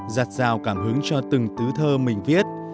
giặt rào cảm hứng cho từng tứ thơ mình viết